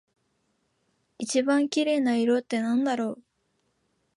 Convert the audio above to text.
一番綺麗な色ってなんだろう？